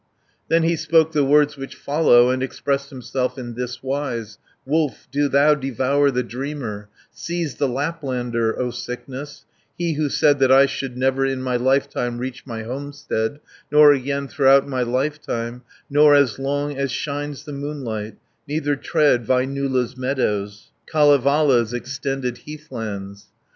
20 Then he spoke the words which follow, And expressed himself in this wise: "Wolf, do thou devour the dreamer, Seize the Laplander, O sickness, He who said that I should never In my lifetime reach my homestead, Nor again throughout my lifetime, Nor as long as shines the moonlight, Neither tread Väinölä's meadows; Kalevala's extended heathlands."